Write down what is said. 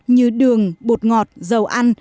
như đường bột ngọt dầu ăn